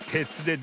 で